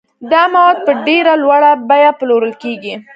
دا مواد په ډېره لوړه بیه پلورل کیږي.